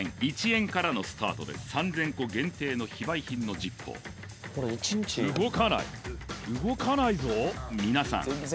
１円からのスタートです３０００個限定の非売品のＺｉｐｐｏ動かない動かないぞ皆さん